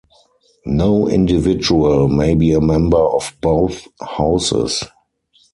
No individual may be a member of both Houses.